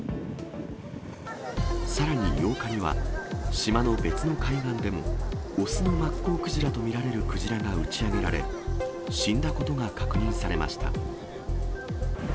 さらに８日には、島の別の海岸でも、雄のマッコウクジラと見られるクジラが打ち上げられ、死んだことが確認されました。